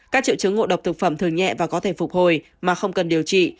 các triệu chứng ngộ độc thực phẩm thường nhẹ và có thể phục hồi mà không cần điều trị